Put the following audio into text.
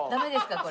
これ。